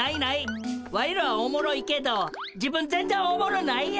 ワイらはおもろいけど自分ぜんぜんおもろないやん。